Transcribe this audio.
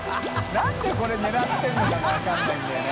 燭これ狙ってるのかが分からないんだよね。